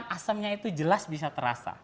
asemnya itu jelas bisa terasa